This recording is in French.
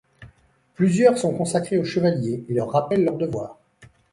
Plusieurs sont consacrés aux chevaliers et leur rappellent leurs devoirs.